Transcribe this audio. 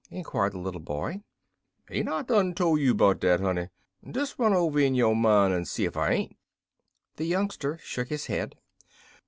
inquired the little boy. "Ain't I done tole you 'bout dat, honey? Des run over in yo' min' en see ef I ain't." The youngster shook his head.